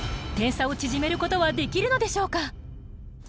点差を縮めることはできるのでしょうか？